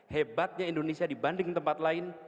hebatnya indonesia dibanding tempat lain